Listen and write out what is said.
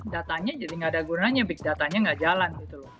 datanya jadi gak ada gunanya big datanya gak jalan